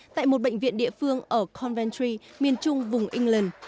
tại một bệnh viện địa phương ở coventry miền trung vùng england